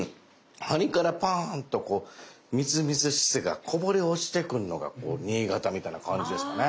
張りからパーンとみずみずしさがこぼれ落ちてくんのが新潟みたいな感じですかね。